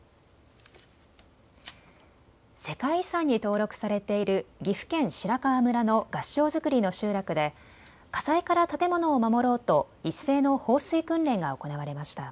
世界遺産に登録されている岐阜県白川村の合掌造りの集落で火災から建物を守ろうと一斉の放水訓練が行われました。